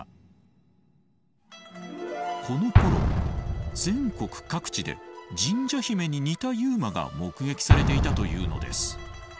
このころ全国各地で神社姫に似たＵＭＡが目撃されていたというのです。